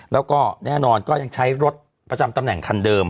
แล้วก็แน่นอนก็ยังใช้รถประจำตำแหน่งคันเดิม